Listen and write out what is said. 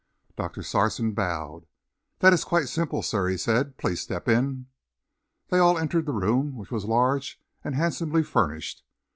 Doctor Sarson bowed. "That is quite simple, sir," he said. "Please step in." They all entered the room, which was large and handsomely furnished.